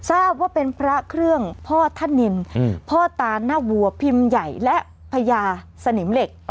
ทราบว่าเป็นพระเครื่องพ่อท่านนินพ่อตาหน้าวัวพิมพ์ใหญ่และพญาสนิมเหล็ก